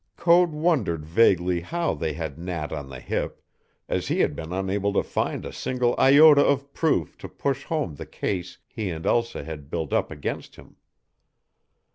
Code wondered vaguely how they had Nat on the hip, as he had been unable to find a single iota of proof to push home the case he and Elsa had built up against him.